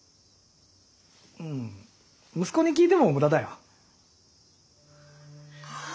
うん息子に聞いても無駄だよ。